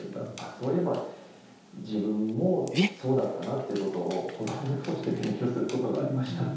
そういえば自分もそうだったなっていうことを子どもを通して勉強することがありました。